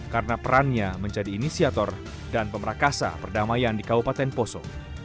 karena perannya menjadi inisiator dan pemerakasa perdamaian di kabupaten poso